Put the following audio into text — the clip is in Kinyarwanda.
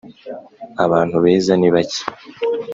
abantu beza ni bake